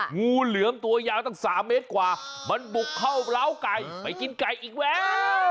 งูเหลือมตัวยาวตั้ง๓เมตรกว่ามันบุกเข้าร้าวไก่ไปกินไก่อีกแล้ว